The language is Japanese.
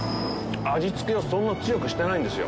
味つけは、そんな強くしてないんですよ。